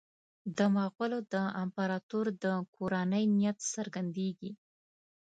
د مغولو د امپراطور د کورنۍ نیت څرګندېږي.